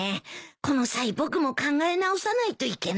この際僕も考え直さないといけないな。